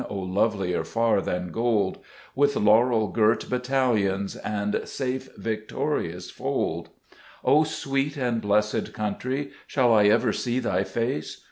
O lovelier far than gold ! With laurel girt battalions, And safe, victorious fold : O sweet and blessed country, Shall I ever see thy face